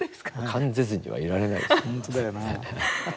感ぜずにはいられないですよ。